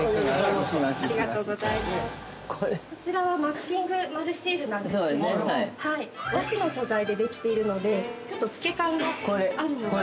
◆こちらはマスキング丸シールなんですけど和紙の素材でできているのでちょっと透け感があるのが。